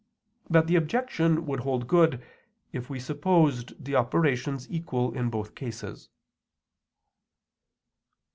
But the objection would hold good, if we supposed the operations equal in both cases.